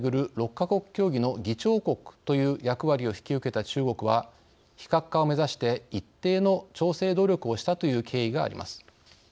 ６か国協議の議長国という役割を引き受けた中国は非核化を目指して一定の調整努力をしたという経緯があります。